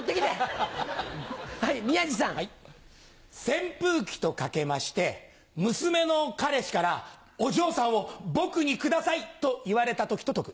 扇風機と掛けまして娘の彼氏から「お嬢さんを僕にください」と言われた時と解く。